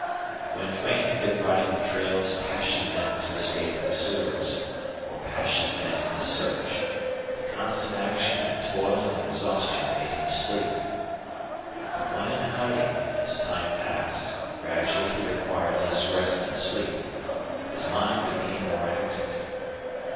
When Duane had been riding the trails passion bent to escape pursuers, or passion bent in his search, the constant action and toil and exhaustion made him sleep. But when in hiding, as time passed, gradually he required less rest and sleep, and his mind became more active.